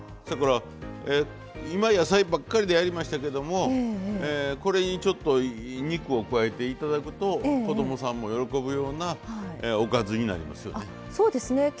そやから今野菜ばっかりでやりましたけどもこれにちょっと肉を加えて頂くと子供さんも喜ぶようなおかずになりますよね。